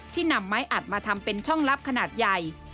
นำไม้อัดมาทำเป็นช่องลับขนาดใหญ่